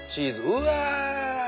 うわ！